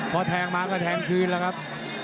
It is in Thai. เพื่อแทงมากก็แทงคืนนะครับ